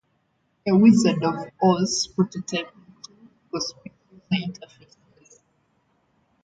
Suede: a Wizard of Oz prototyping tool for speech user interfaces.